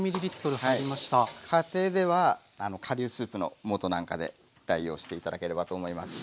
家庭では顆粒スープの素なんかで代用して頂ければと思います。